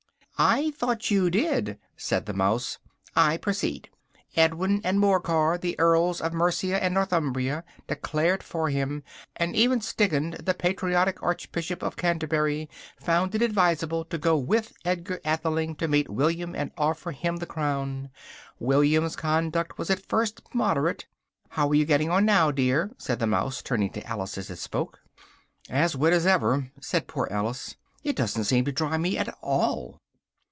"I thought you did," said the mouse, "I proceed. Edwin and Morcar, the earls of Mercia and Northumbria, declared for him; and even Stigand, the patriotic archbishop of Canterbury, found it advisable to go with Edgar Atheling to meet William and offer him the crown. William's conduct was at first moderate how are you getting on now, dear?" said the mouse, turning to Alice as it spoke. "As wet as ever," said poor Alice, "it doesn't seem to dry me at all."